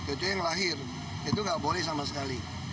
itu yang lahir itu nggak boleh sama sekali